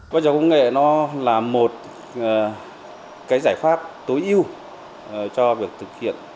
qua trò công nghệ nó là một cái giải pháp tối ưu cho việc thực hiện